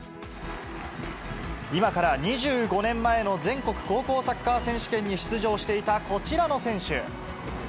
今から２５年前の全国高校サッカー選手権に出場していたこちらの選手。